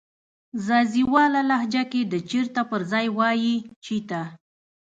ځاځيواله لهجه کې د "چیرته" پر ځای وایې "چیته"